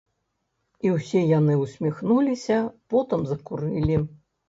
І ўсе яны ўсміхнуліся, потым закурылі.